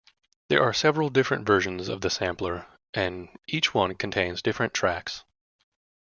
There are several different versions of the sampler, and each one contains different tracks.